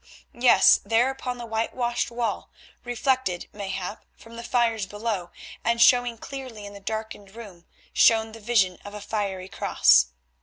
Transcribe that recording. Yes, there upon the whitewashed wall, reflected, mayhap, from the fires below, and showing clearly in the darkened room, shone the vision of a fiery cross.